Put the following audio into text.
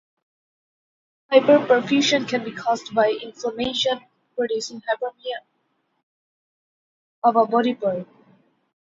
Hyperperfusion can be caused by inflammation, producing hyperemia of a body part.